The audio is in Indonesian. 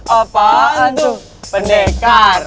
apaan tuh pendekar